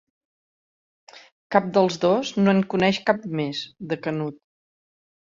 Cap dels dos no en coneix cap més, de Canut.